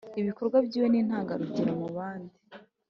Ibikorwa byiwe ni intangarugero mu bandi